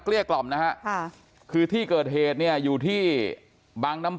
เรียกกล่อมนะฮะค่ะคือที่เกิดเหตุเนี่ยอยู่ที่บางน้ำ